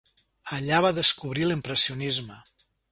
Allà va descobrir l'Impressionisme.